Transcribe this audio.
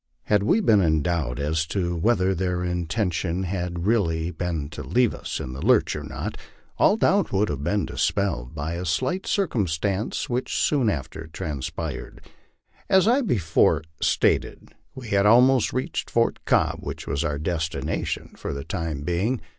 Had we been in doubt as to whether their intention had really been to leave us in the lurch or not, all doubt would have been dispelled by a slight circumstance which soon after transpired. As I before stated, we had almost reached Fort Cobb, which was our destination for the time being.